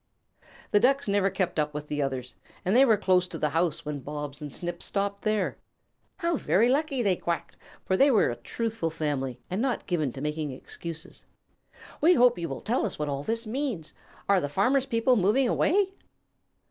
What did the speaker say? The Ducks never kept up with the others, and they were close to the house when Bobs and Snip stopped there. "How very lucky!" they quacked, for they were a truthful family and not given to making excuses. "We hope you will tell us what all this means. Are the Farmer's people moving away?"